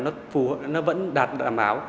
thì tiêu chuẩn của việt nam nó vẫn đạt đảm bảo